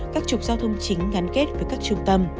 các trục giao thông chính ngắn kết với các trung tâm